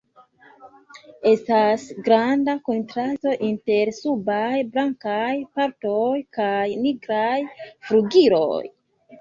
Estas granda kontrasto inter subaj blankaj partoj kaj nigraj flugiloj.